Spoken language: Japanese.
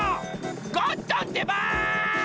ゴットンってば！